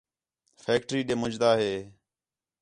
فیکٹری ݙے مُنڄدا ہِے